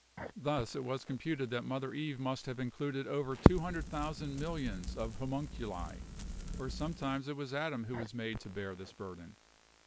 Thus it was computed that Mother Eve must have included over 200,000 millions of homunculi, or sometimes it was Adam who was made to bear this burden.